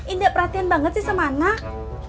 ini gak perhatian banget sih sama anak